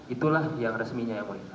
itulah yang resminya yang mulia